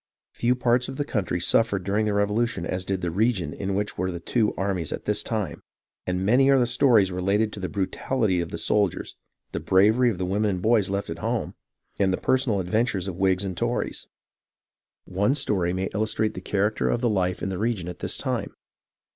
Few parts of the country suffered during the Revolution as did the region in which were the two armies at this time, and many are the stories related of the brutality of the soldiers, the bravery of the women and boys left at home, and the personal adventures of Whigs and Tories. One story may illustrate the character of the life in the region at this time.